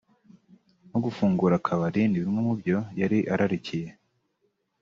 no gufungura akabari ni bimwe mu byo yari ararikiye